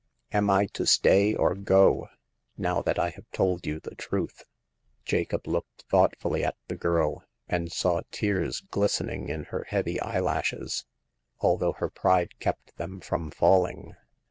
Am I to stay or go, now that I have told you the truth ?" Jacob looked thoughtfully at the girl, and saw tears glistening in her heavy eyelashes, although her pride kept them from falling.